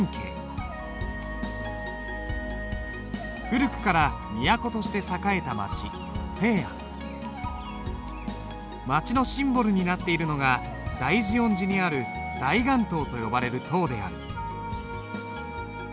古くから都として栄えた街街のシンボルになっているのが大慈恩寺にある大雁塔と呼ばれる塔である。